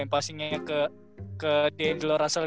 yang passingnya ke d angelo russell